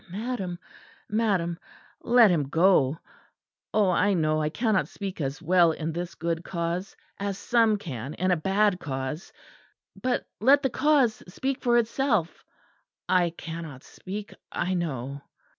Madam, madam, let him go! Oh! I know I cannot speak as well in this good cause, as some can in a bad cause, but let the cause speak for itself. I cannot speak, I know."